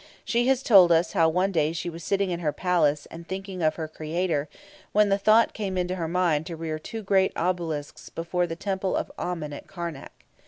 She has told us how one day she was sitting in her palace, and thinking of her Creator, when the thought came into her mind to rear two great obelisks before the Temple of Amen at Karnak.